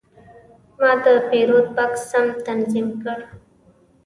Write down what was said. ما د پیرود بکس سم تنظیم کړ.